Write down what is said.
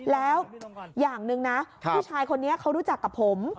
แล้วอย่างหนึ่งนะผู้ชายคนนี้เขารู้จักกับผม